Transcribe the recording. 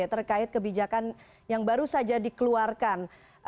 terkait kebijakan yang baru saja dikeluarkan